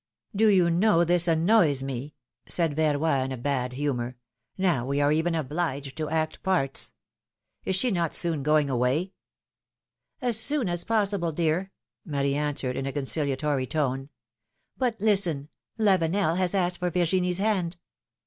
Do you know this annoys me !" said Verroy, in a bad humor; now we are even obliged to act parts. Is she not soon going away ?"' ^^As soon as possible, dear," Marie answered, in a conciliatory tone. ^^But listen, Lavenel has asked for Virginie's hand